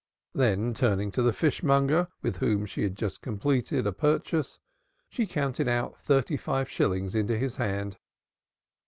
Then turning to the fishmonger with whom she had just completed a purchase, she counted out thirty five shillings into his hand.